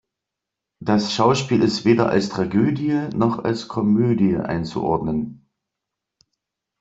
Das Schauspiel ist weder als Tragödie, noch als Komödie einzuordnen.